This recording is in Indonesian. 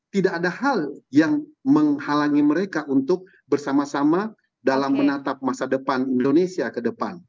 tidak ada hal yang menghalangi mereka untuk bersama sama dalam menatap masa depan indonesia ke depan